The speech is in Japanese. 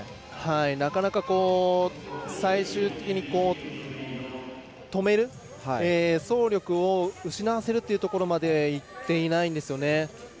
なかなか、最終的に止める走力を失わせるというところまでいっていないんですよね。